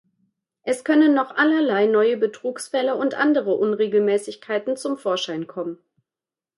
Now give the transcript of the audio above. Es können noch allerlei neue Betrugsfälle und andere Unregelmäßigkeiten zum Vorschein kommen.